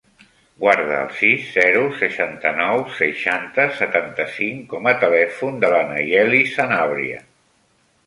Guarda el sis, zero, seixanta-nou, seixanta, setanta-cinc com a telèfon de la Nayeli Sanabria.